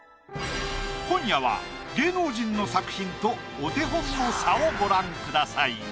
今夜は芸能人の作品とお手本の差をご覧ください。